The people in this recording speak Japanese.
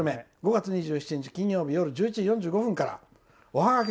５月２７日金曜日夜１１時４５分から。